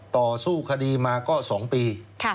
ต่อสู้คดีมาก็๒ปี